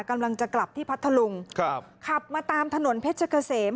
กำลังจะกลับที่พัทธลุงครับขับมาตามถนนเพชรเกษม